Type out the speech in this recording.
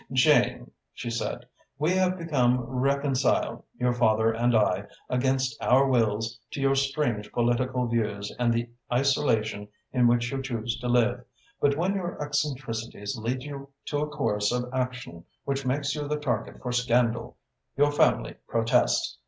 "Jane," she said, "we have become reconciled, your father and I, against our wills, to your strange political views and the isolation in which you choose to live, but when your eccentricities lead you to a course of action which makes you the target for scandal, your family protests.